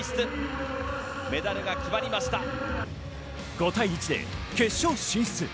５対１で決勝進出。